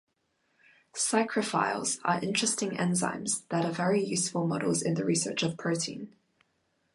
Psychrophiles are interesting enzymes that are very useful models in the research of proteins.